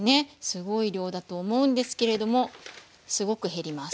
すごい量だと思うんですけれどもすごく減ります。